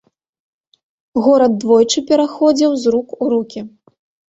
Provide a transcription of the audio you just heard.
Горад двойчы пераходзіў з рук у рукі.